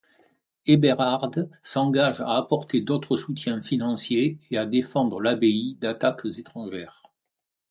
Eberhard s'engage à apporter d'autres soutiens financiers et à défendre l'abbaye d'attaques étrangères.